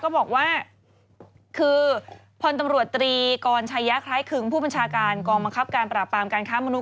ก็บอกว่าคือพลตำรวจตรีกรชายะคล้ายคึงผู้บัญชาการกองบังคับการปราบปรามการค้ามนุษ